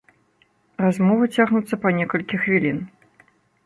Размовы цягнуцца па некалькі хвілін.